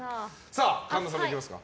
神田さんもいきますか。